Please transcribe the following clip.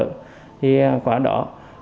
thì quá đó